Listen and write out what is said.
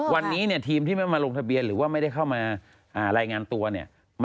วันนี้เนี่ยทีมที่ไม่มาลงทะเบียนหรือว่าไม่ได้เข้ามารายงานตัวเนี่ย